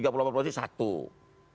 kalau kita ngomong satu dari